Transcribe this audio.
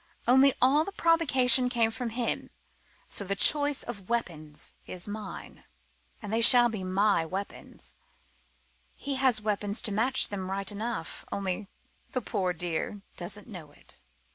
Only all the provocation came from him so the choice of weapons is mine. And they shall be my weapons: he has weapons to match them right enough, only the poor dear doesn't know it."